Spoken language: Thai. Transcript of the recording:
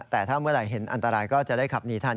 แต่ถ้าเมื่อไหร่เห็นอันตรายก็จะได้ขับหนีทัน